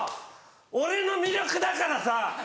俺の魅力だからさ！